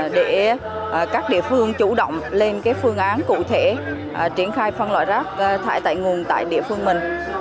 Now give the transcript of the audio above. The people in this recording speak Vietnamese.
để các địa phương chủ động lên phương án cụ thể triển khai phân loại rác thải tại nguồn tại địa phương mình